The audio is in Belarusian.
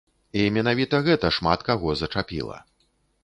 І менавіта гэта шмат каго зачапіла.